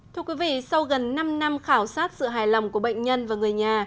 thưa quý vị sau gần năm năm khảo sát sự hài lòng của bệnh nhân và người nhà